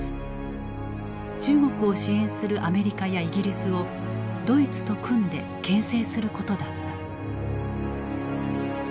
中国を支援するアメリカやイギリスをドイツと組んで牽制することだった。